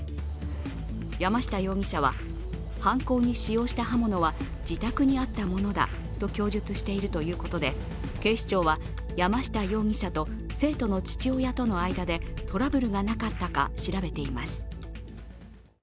山下容疑者は犯行に使用した刃物は自宅にあったものだと供述しているということで、警視庁は、山下容疑者と生徒の父親との間でトラブルがなかったか調べています。